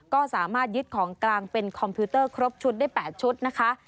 ก็สามารถยึดของกลางเป็นคอมพิวเตอร์ครบชุดได้๘ชุดนะคะ